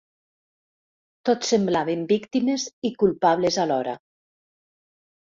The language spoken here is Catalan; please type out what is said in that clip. Tots semblaven víctimes i culpables alhora.